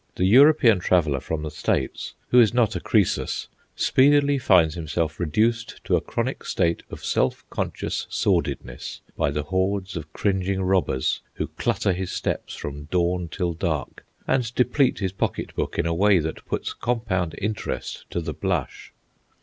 The European traveller from the States, who is not a Croesus, speedily finds himself reduced to a chronic state of self conscious sordidness by the hordes of cringing robbers who clutter his steps from dawn till dark, and deplete his pocket book in a way that puts compound interest to the blush.